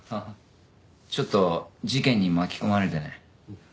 ちょっと事件に巻き込まれてね。